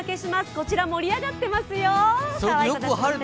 こちら、盛り上がっていますよ。